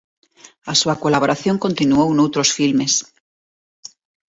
A súa colaboración continuou noutros filmes.